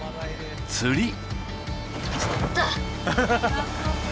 釣り！